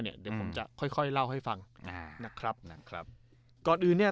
เดี๋ยวผมจะค่อยค่อยเล่าให้ฟังอ่านะครับนะครับก่อนอื่นเนี้ย